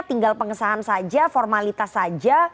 tinggal pengesahan saja formalitas saja